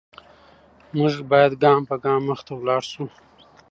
موږ باید ګام په ګام مخته لاړ شو.